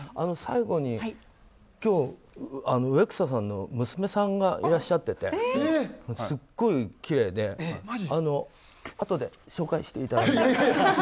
最後に今日、植草さんの娘さんがいらっしゃっててすっごいきれいであとで紹介していただいて。